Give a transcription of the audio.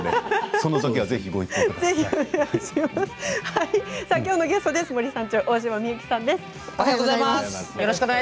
そのときにはぜひご一報ください。